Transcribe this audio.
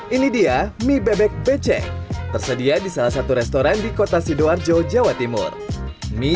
ini dia mie bebek becek tersedia di salah satu restoran di kota sidoarjo jawa timur mie